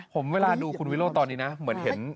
ผมเวลาดูคุณวิโรธตอนนี้นะเหมือนเห็น